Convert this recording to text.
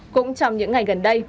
cũng trong những ngày gần đây